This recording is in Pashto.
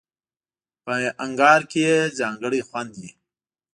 په انگار کې یې ځانګړی خوند وي.